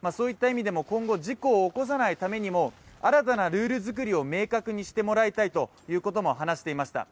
今後、事故を起こさないためにも新たなルール作りを明確にしてもらいたいということも話していました。